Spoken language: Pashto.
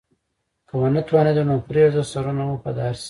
که ونه توانیدو نو پریږده سرونه مو په دار شي.